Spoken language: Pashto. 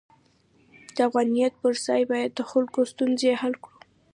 د افغانیت پر ځای باید د خلکو ستونزې حل کړو.